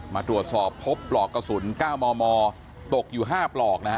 มาตรวจสอบพบปลอกกระสุน๙มมตกอยู่๕ปลอกนะฮะ